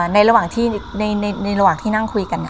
ในระหว่างที่นั่งคุยกัน